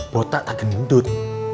botak dan gendut